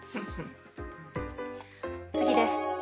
次です。